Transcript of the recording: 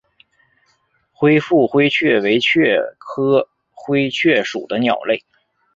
灰腹灰雀为雀科灰雀属的鸟类。